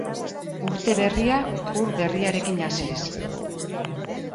Urte berria, ur berriarekin hasiz.